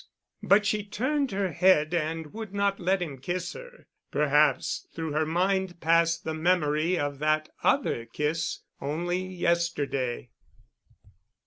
But she turned her head and would not let him kiss her. Perhaps through her mind passed the memory of that other kiss only yesterday.